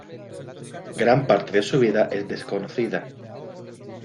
Gran parte de su vida es desconocida.